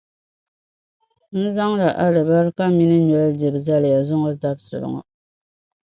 N zaŋla alibarika minii noli dibu zali ya zuŋɔ dabisili ŋɔ.